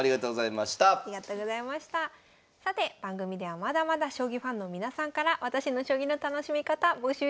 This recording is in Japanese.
さて番組ではまだまだ将棋ファンの皆さんから「私の将棋の楽しみ方」募集します。